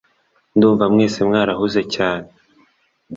Ndumva mwese mwarahuze cyane